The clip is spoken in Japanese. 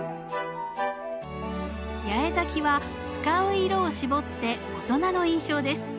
八重咲きは使う色を絞って大人の印象です。